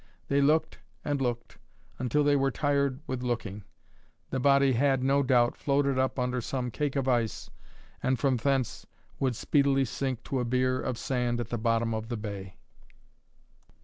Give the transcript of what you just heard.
They looked and looked until they were tired with looking. The body had, no doubt, floated up under some cake of ice, and from thence would speedily sink to a bier of sand at the bottom of the bay.